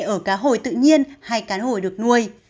ở cá hồi tự nhiên hay cá hồi được nuôi